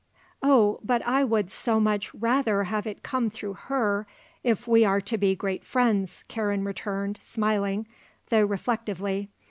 "Oh, but I would so much rather have it come through her, if we are to be great friends," Karen returned, smiling, though reflectively.